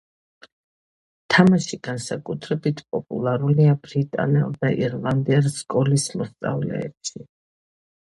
თამაში განსაკუთრებით პოპულარულია ბრიტანელ და ირლანდიელ სკოლის მოსწავლეებში.